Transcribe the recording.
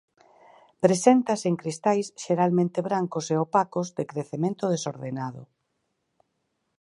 Preséntase en cristais xeralmente brancos e opacos de crecemento desordenado.